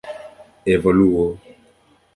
evoluo